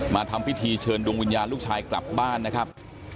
ทำพิธีเชิญดวงวิญญาณลูกชายกลับบ้านนะครับ